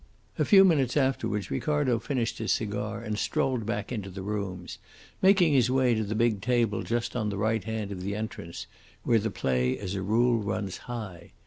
A few minutes afterwards Ricardo finished his cigar and strolled back into the rooms, making his way to the big table just on the right hand of the entrance, where the play as a rule runs high.